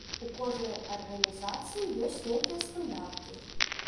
У кожнай арганізацыі ёсць нейкія стандарты.